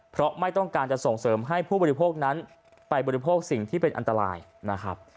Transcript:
เพราะไม่ต้องการจะส่งเสริมให้ผู้บริโภคนั้นไปบริโภคสิ่งที่เป็นอันตรายนะครับ